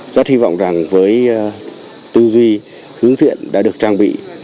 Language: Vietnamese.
rất hy vọng rằng với tư duy hướng thiện đã được trang bị